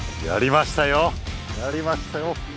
やりましたよ